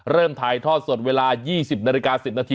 เริ่มถ่ายทอดสดเวลา๒๐น๑๐น